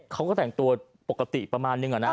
เขาก็แต่งตัวปกติประมาณนึงอะนะ